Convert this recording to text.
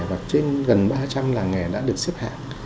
và trên gần ba trăm linh làng nghề đã được xếp hạng